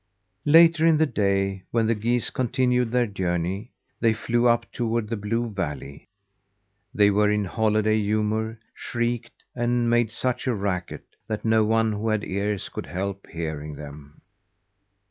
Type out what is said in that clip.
Later in the day, when the geese continued their journey, they flew up toward the blue valley. They were in holiday humour; shrieked and made such a racket that no one who had ears could help hearing them.